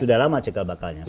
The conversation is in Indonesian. sudah lama cekal bakalnya